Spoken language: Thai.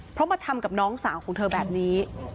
เพราะมาทำกับน้องสาวของเธอแบบนี้